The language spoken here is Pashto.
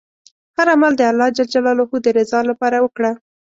هر عمل د الله ﷻ د رضا لپاره وکړه.